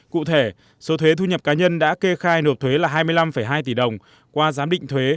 cụ thể số thuế thu nhập cá nhân đã kê khai nộp thuế là hai mươi năm hai tỷ đồng qua giám định thuế